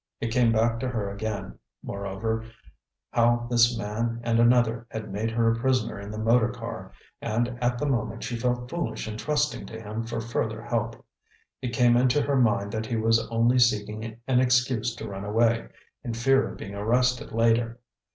It came back to her again, moreover, how this man and another had made her a prisoner in the motor car, and at the moment she felt foolish in trusting to him for further help. It came into her mind that he was only seeking an excuse to run away, in fear of being arrested later.